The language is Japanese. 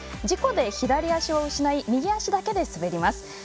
事故で左足を失い右足だけで滑ります。